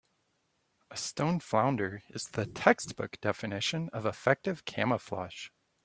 A stone flounder is the textbook definition of effective camouflage.